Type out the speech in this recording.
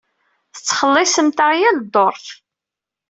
Tettxelliṣemt-aɣ yal dduṛt.